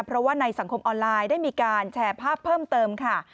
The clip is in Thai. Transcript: เพราะว่าในสังคมออนไลน์ได้มีการแชร์ภาพเพิ่มเติมค่ะ